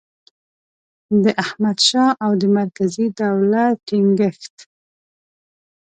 د احمدشاه او د مرکزي دولت ټینګیښت